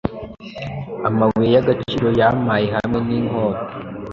Amabuye yagaciro yampaye hamwe ninkota